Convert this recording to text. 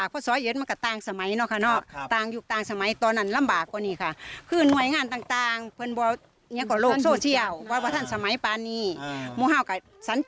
คุณยายครับเมื่อปี๒๑นี่หนักขนาดไหน